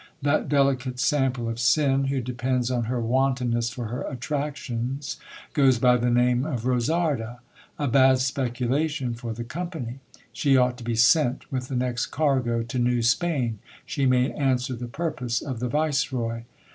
That delicate sample of sin, who depends on her wanton ness for her attractions, goes by the name of Rosarda : a bad speculation for the company ! She ought to be sent with the next cargo to New Spain, she may answer the purpose of the viceroy.